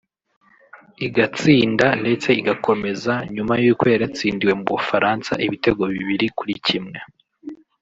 igatsinda ndetse igakomeza nyuma y’uko yari yatsindiwe mu Bufaransa ibitego bibiri kuri kimwe